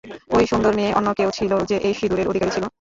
ঐ সুন্দর মেয়ে অন্য কেউ ছিলো, যে এই সিঁদুরের অধিকারী ছিলো।